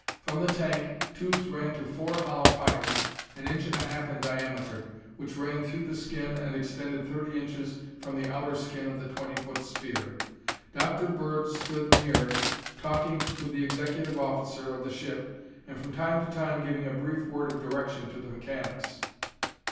From the tank, tubes ran to four hollow pipes, an inch and a half in diameter, which ran through the skin and extended thirty inches from the outer skin of the twenty foot sphere. Dr. Bird stood near talking with the executive officer of the ship and from time to time giving a brief word of direction to the mechanics.